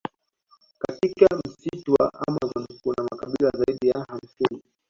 Katika msitu wa amazon kuna makabila zaidi ya hamsini